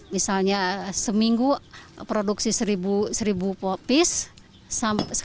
misalnya seminggu produksi seribu potong celana jeans